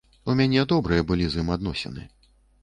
У мяне добрыя былі з ім адносіны.